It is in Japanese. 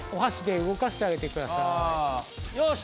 よし！